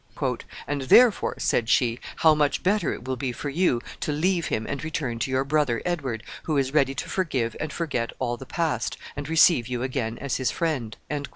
"And therefore," said she, "how much better it will be for you to leave him and return to your brother Edward, who is ready to forgive and forget all the past, and receive you again as his friend."